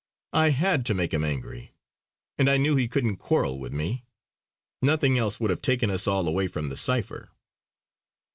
I had to make him angry; and I knew he couldn't quarrel with me. Nothing else would have taken us all away from the cipher."